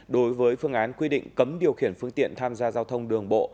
đối với phương án quy định cấm điều khiển phương tiện tham gia giao thông đường bộ